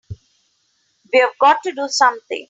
We've got to do something!